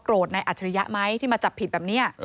กรดในอัตริยะไหมที่มาจับผิดแบบนี้